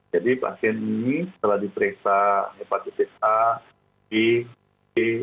jadi pasien ini setelah diperiksa hepatitis a b d